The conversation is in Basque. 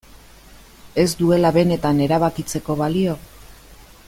Ez duela benetan erabakitzeko balio?